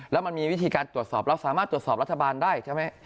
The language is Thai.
แล้วมันมีวิธีการตรวจสอบเราสามารถตรวจสอบรัฐบาลได้ใช่ไหม